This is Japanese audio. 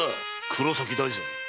黒崎大膳。